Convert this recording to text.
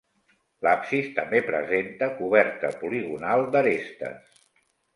L'absis també presenta coberta poligonal d'arestes.